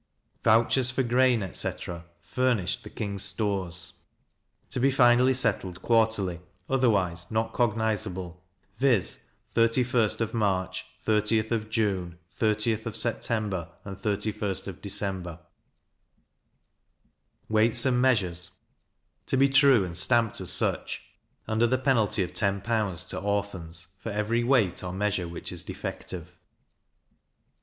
Vouchers for Grain, etc. furnished the King's Stores to be finally settled quarterly, otherwise not cognizable; viz. 31st of March, 30th of June, 30th of September, and 31st of December. Weights and Measures to be true, and stamped as such, under the penalty of ten pounds to Orphans, for every weight or measure which is defective.